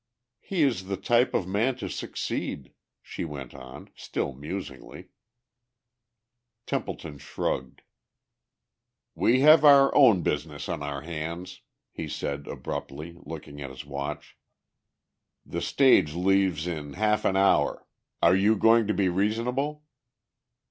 "He is the type of man to succeed," she went on, still musingly. Templeton shrugged. "We have our own business on our hands," he said abruptly, looking at his watch. "The stage leaves in half an hour. Are you going to be reasonable?"